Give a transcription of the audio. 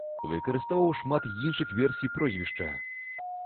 Выкарыстоўваў шмат іншых версій прозвішча.